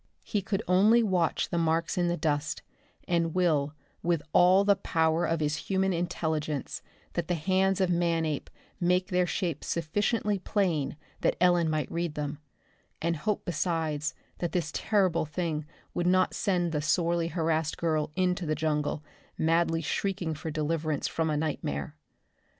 He could only watch the marks in the dust, and will with all the power of his human intelligence that the hands of Manape make their shape sufficiently plain that Ellen might read them and hope besides that this terrible thing would not send the sorely harassed girl into the jungle, madly shrieking for deliverance from a nightmare.